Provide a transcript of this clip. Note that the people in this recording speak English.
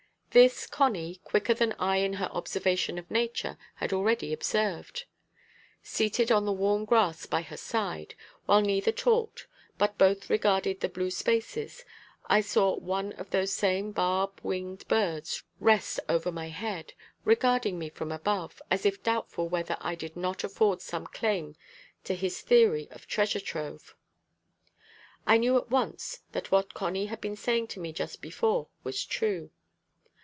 This Connie, quicker than I in her observation of nature, had already observed. Seated on the warm grass by her side, while neither talked, but both regarded the blue spaces, I saw one of those same barb winged birds rest over my head, regarding me from above, as if doubtful whether I did not afford some claim to his theory of treasure trove. I knew at once that what Connie had been saying to me just before was true.